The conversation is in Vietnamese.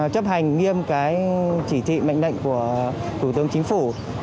chấp hành nghiêm chỉ thị mạnh định của tổ tướng chính phủ